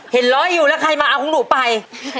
เห็นร้อยอยู่แล้วใครมาเอาของหนูไป